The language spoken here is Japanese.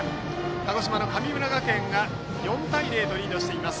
鹿児島の神村学園が４対０とリードしています。